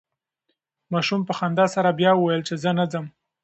ماشوم په خندا سره بیا وویل چې زه نه ځم.